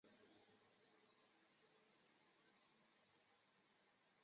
企业本身也提供了日本社会生活的核心。